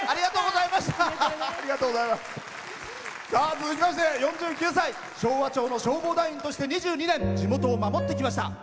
続きまして、４９歳昭和町の消防団員として２２年地元を守ってきました。